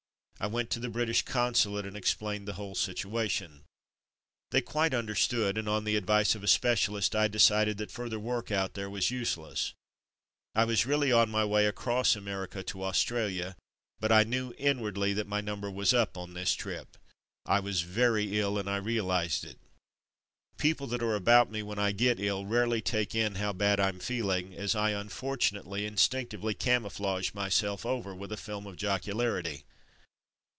I went to the British Consulate and explained the whole situation. They quite understood, and on the advice of 3o8 From Mud to Mufti a specialist I decided that further work out there was useless. I was really on my way across America to Australia, but I knew in wardly that my '"number was up'' on this trip. I was very ill, and I realized it. People that are about me when I get ill, rarely take in how bad I'm feeling, as I, unfortunately, instinctively camouflage my self over with a film of jocularity.